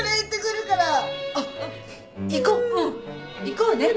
行こうね。